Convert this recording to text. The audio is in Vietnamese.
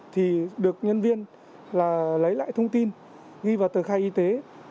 thì được nhân viên là lấy lại thông tin ghi vào tờ khai y tế